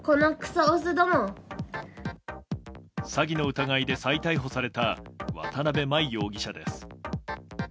詐欺の疑いで再逮捕された渡辺真衣容疑者です。